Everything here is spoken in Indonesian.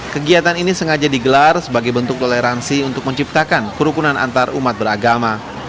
kegiatan ini sengaja digelar sebagai bentuk toleransi untuk menciptakan kerukunan antarumat beragama